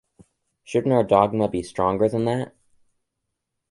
Shouldn't our dogma be stronger than that?